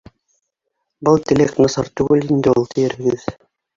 Был теләк насар түгел инде ул, тиерһегеҙ.